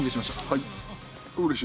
はい。